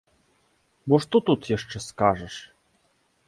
Бо што тут яшчэ скажаш?